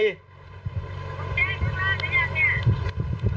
ต้องแจ้งข้างล่างได้ยังเนี่ย